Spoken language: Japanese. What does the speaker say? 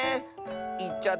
いっちゃった。